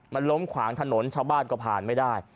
มันล้มขวางถนนชาวบ้านก็ผ่านไม่ได้